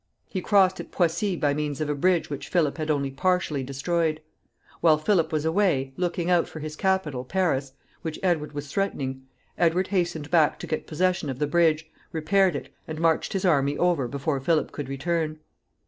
He crossed at Poissy by means of a bridge which Philip had only partially destroyed. While Philip was away, looking out for his capital, Paris, which Edward was threatening, Edward hastened back to get possession of the bridge, repaired it, and marched his army over before Philip could return.